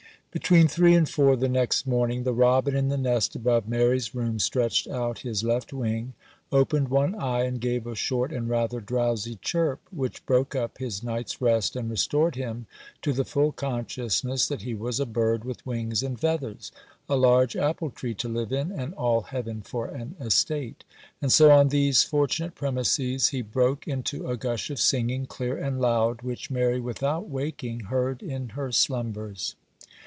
BETWEEN three and four the next morning, the robin in the nest above Mary's room stretched out his left wing, opened one eye, and gave a short and rather drowsy chirp, which broke up his night's rest and restored him to the full consciousness that he was a bird with wings and feathers—a large apple tree to live in, and all heaven for an estate—and so, on these fortunate premises, he broke into a gush of singing, clear and loud, which Mary without waking heard in her slumbers.